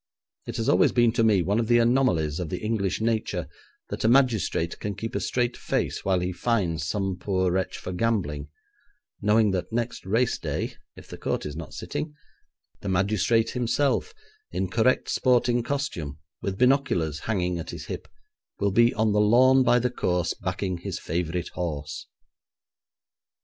It has always been to me one of the anomalies of the English nature that a magistrate can keep a straight face while he fines some poor wretch for gambling, knowing that next race day (if the court is not sitting) the magistrate himself, in correct sporting costume, with binoculars hanging at his hip, will be on the lawn by the course backing his favourite horse.